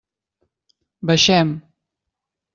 Baixem.